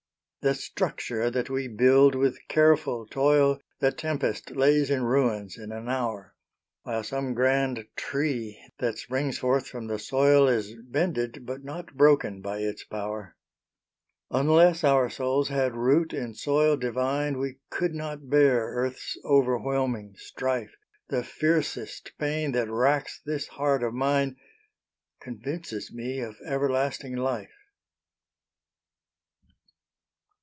The structure that we build with careful toil, The tempest lays in ruins in an hour; While some grand tree that springs forth from the soil Is bended but not broken by its power. Unless our souls had root in soil divine We could not bear earth's overwhelming strife. The fiercest pain that racks this heart of mine, Convinces me of everlasting life.